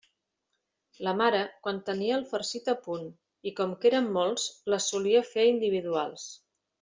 La mare, quan tenia el farcit a punt, i com que érem molts, les solia fer individuals.